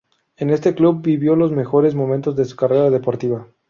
En este club vivió los mejores momentos de su carrera deportiva.